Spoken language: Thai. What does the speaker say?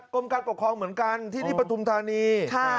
กรมการปกครองเหมือนกันประทุมธานี